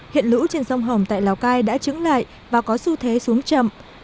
hiện lũ trên sông hồng tại lào cai đã chứng lại và có xu thế xuống chậm